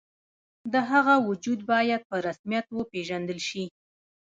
د هغه وجود باید په رسمیت وپېژندل شي.